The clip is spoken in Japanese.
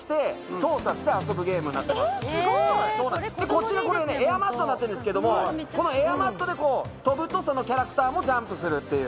こちらこれエアマットになってるんですけどもこのエアマットでこう跳ぶとそのキャラクターもジャンプするっていう。